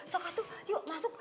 so kato yuk masuk